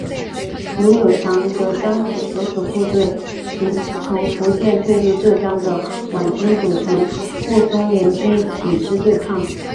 卢永祥则将其所属部队及从福建退入浙江的皖军组成淞沪联军与之对抗。